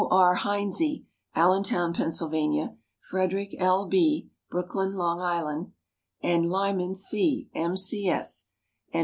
R. Heinze, Allentown, Pennsylvania; Frederick L. B., Brooklyn, Long Island; and Lyman C., M.